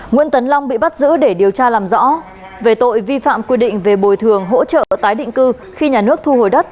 nguyễn tấn long bị bắt giữ để điều tra làm rõ về tội vi phạm quy định về bồi thường hỗ trợ tái định cư khi nhà nước thu hồi đất